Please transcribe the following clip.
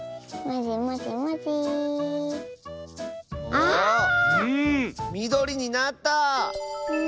ああっ⁉みどりになった！